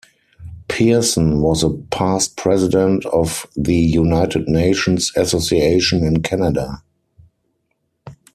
Pearson was a past president of the United Nations Association in Canada.